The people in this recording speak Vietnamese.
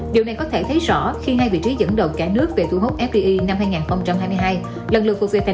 điều này có thể thấy rõ khi hai vị trí dẫn đầu cả nước về thu hút fdi năm hai nghìn hai mươi hai